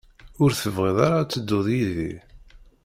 Ur tebɣiḍ ara ad tedduḍ yid-i.